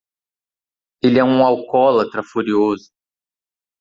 Ele é um alcoólatra furioso.